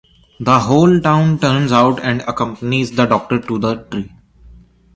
The whole town turns out and accompanies the doctor to the tree.